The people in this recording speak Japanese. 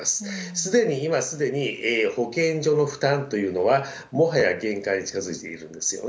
すでに今、すでに保健所の負担というのはもはや限界に近づいているんですよね。